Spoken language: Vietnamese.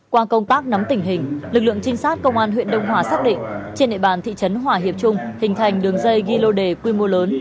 qua công tác nắm tình hình lực lượng trinh sát công an huyện đông hòa xác định trên địa bàn thị trấn hòa hiệp trung hình thành đường dây ghi lô đề quy mô lớn